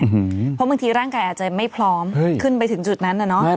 เพราะบางทีร่างกายอาจจะไม่พร้อมขึ้นไปถึงจุดนั้นน่ะเนอะ